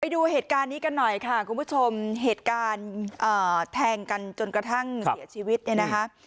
ดูเหตุการณ์นี้กันหน่อยค่ะคุณผู้ชมเหตุการณ์แทงกันจนกระทั่งเสียชีวิตเนี่ยนะคะ